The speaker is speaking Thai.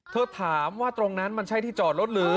เธอถามว่าตรงนั้นมันใช่ที่จอดรถหรือ